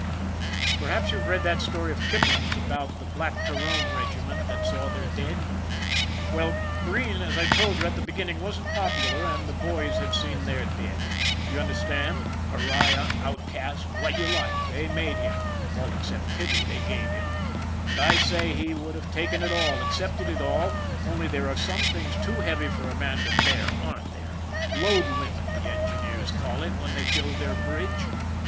Perhaps you've read that story of Kipling's about the Black Tyrone Regiment that saw their dead? Well, Breen, as I told you, at the beginning, wasn't popular, and the boys had seen their dead. Do you understand? Pariah, outcast, what you like, they made him, all except pity they gave him, and I say he would have taken it all, accepted it all, only there are some things too heavy for a man to bear, aren't there? Load limit, the engineers call it when they build their bridge.